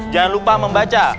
jangan lupa membaca